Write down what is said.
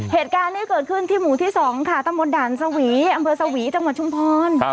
เหตุการณ์นี้เกิดขึ้นที่หมู่ที่๒ค่ะตำบลด่านสวีอำเภอสวีจังหวัดชุมพร